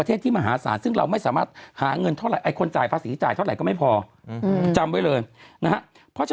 ต่อให้ถึงยังไงรัฐบาลก็ต้องดินลน